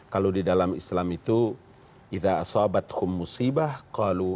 kalau di dalam islam itu